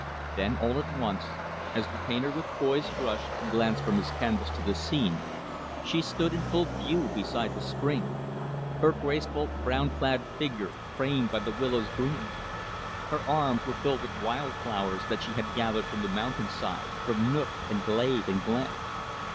Then, all at once, as the painter, with poised brush, glanced from his canvas to the scene, she stood in full view beside the spring; her graceful, brown clad figure framed by the willow's green. Her arms were filled with wild flowers that she had gathered from the mountainside from nook and glade and glen.